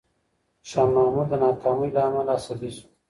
شاه محمود د ناکامۍ له امله عصبي شو.